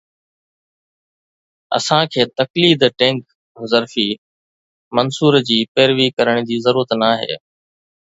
اسان کي تقليد ٽينڪ ظرفي منصور جي پيروي ڪرڻ جي ضرورت ناهي